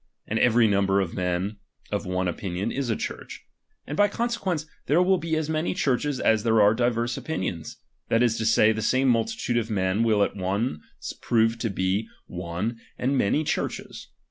And every number of men of one opinion is a Church ; and by conse quence, there will be as many Churches as there are divers opinions ; that is to say, the same multitude of men will at once prove to be one, and many ChurcJtes.